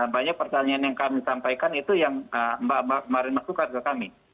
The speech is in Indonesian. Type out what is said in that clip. banyak pertanyaan yang kami sampaikan itu yang mbak kemarin masukkan ke kami